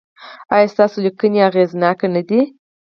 ایا ستاسو لیکنې اغیزناکې نه دي؟